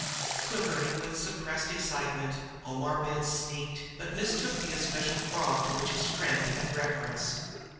Quivering with suppressed excitement, Omar Ben sneaked, but mistook the especial frog to which his friend had reference.